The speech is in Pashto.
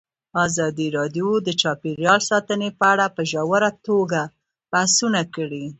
ازادي راډیو د چاپیریال ساتنه په اړه په ژوره توګه بحثونه کړي.